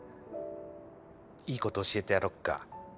いいこと教えてやろっか？